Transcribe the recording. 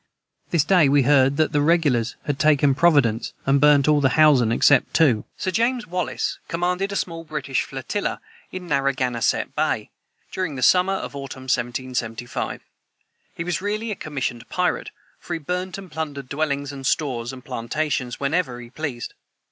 This day we heard that the regulars had taken Providence and burnt all the housen except two. [Footnote 203: Sir James Wallace commanded a small British flotilla in Narraganset bay, during the summer and autumn of 1775. He was really a commissioned pirate, for he burnt and plundered dwellings, and stores, and plantations, wherever he pleased.